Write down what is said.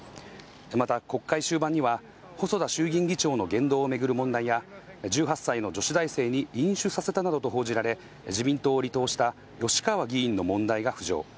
また国会終盤には、細田衆議院議長の言動を巡る問題や、１８歳の女子大生に飲酒させたなどと報じられ、自民党を離党した吉川議員の問題が浮上。